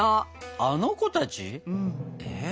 あの子たち？